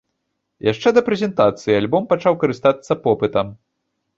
Яшчэ да прэзентацыі альбом пачаў карыстацца попытам.